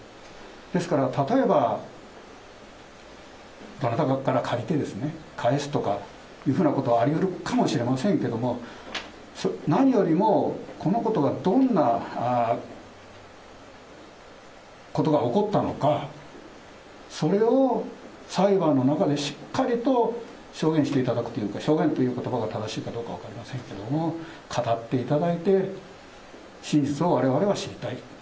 ですから、例えば、あなただったら借りて返すとかいうふうなことはありうるかもしれませんけれども、何よりも、このことはどんなことが起こったのか、それを裁判の中でしっかりと証言していただくというか、証言ということばが正しいかどうか分かりませんけれども、語っていただいて、真実をわれわれは知りたい。